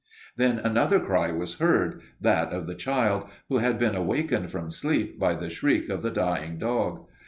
Then another cry was heard that of the child, who had been awakened from sleep by the shriek of the dying dog.